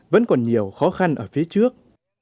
vẫn còn nhiều khó khăn ở phía trước